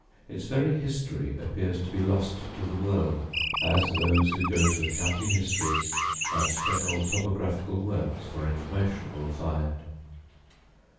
Its very history appears to be lost to the world, as those who go to the county histories and general topographical works for information will find.